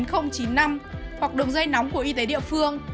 hoặc đường dây nóng của y tế địa phương